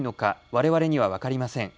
われわれには分かりません。